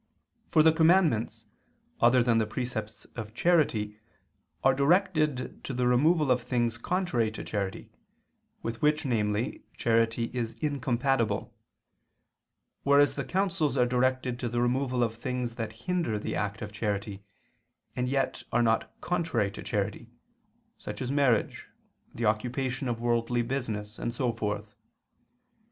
For the commandments, other than the precepts of charity, are directed to the removal of things contrary to charity, with which, namely, charity is incompatible, whereas the counsels are directed to the removal of things that hinder the act of charity, and yet are not contrary to charity, such as marriage, the occupation of worldly business, and so forth.